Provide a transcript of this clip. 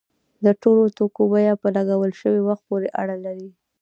د ټولو توکو بیه په لګول شوي وخت پورې اړه لري.